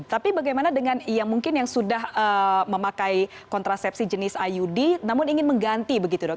tapi bagaimana dengan yang mungkin yang sudah memakai kontrasepsi jenis iud namun ingin mengganti begitu dok